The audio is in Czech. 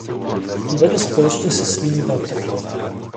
Tu vedl společně se svými bratry.